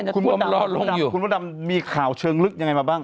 คุณพระดำมีข่าวเชิงลึกยังไงมาบ้าง